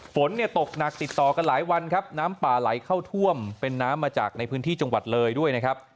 ฝนเนี่ยตกหนักติดต่อกันหลายวันครับน้ำป่าไหลเข้าท่วมเป็นน้ำมาจากในพื้นที่จังหวัดเลยด้วยนะครับ